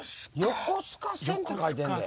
横須賀線って書いてんで。